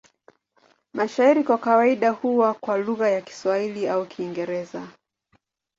Mashairi kwa kawaida huwa kwa lugha ya Kiswahili au Kiingereza.